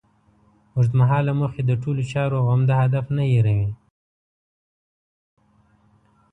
اوږد مهاله موخې د ټولو چارو عمده هدف نه هېروي.